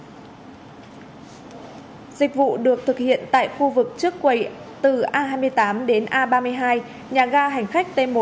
dịch vụ được thực hiện tại khu vực trước quầy từ a hai mươi tám đến a ba mươi hai nhà ga hành khách t một